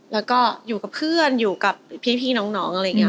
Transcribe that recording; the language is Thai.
แล้วก็อยู่กับเพื่อนอยู่กับพี่น้องอะไรอย่างนี้